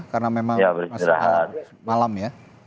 karena memang malam ya